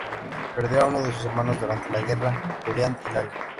Perdió a uno de sus hermanos durante la guerra, Julián Hilario.